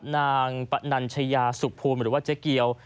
นางปนัญชยาสุขภูมิหรือว่าเจ๊เกียว